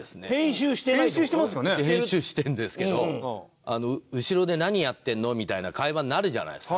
編集してるんですけど「後ろで何やってんの？」みたいな会話になるじゃないですか。